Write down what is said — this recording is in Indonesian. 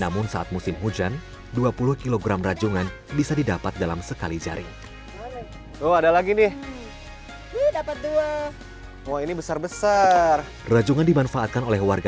mulai dari rp tujuh dua ratus sampai rp tujuh lima ratus